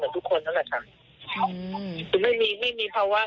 ซึ่งก็ทำปกติอะไรค่ะทำเหมือนทุกคนนั่นแหละค่ะ